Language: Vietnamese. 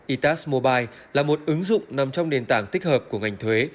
itas mobile là một ứng dụng nằm trong nền tảng tích hợp của ngành thuế